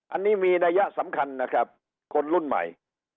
อันนี้มีนัยสำคัญนะครับคนรุ่นใหม่